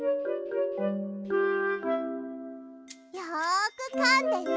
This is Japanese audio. よくかんでね。